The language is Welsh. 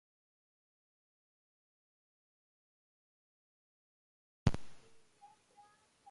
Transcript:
Yn sydyn daeth y gweddïau i ben.